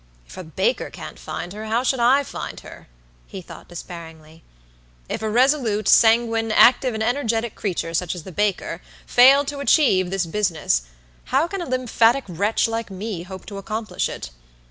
"If the baker can't find her, how should I find her?" he thought, despairingly. "If a resolute, sanguine, active and energetic creature, such as the baker, fail to achieve this business, how can a lymphatic wretch like me hope to accomplish it?